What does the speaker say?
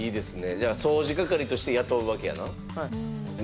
じゃあそうじ係として雇うわけやな。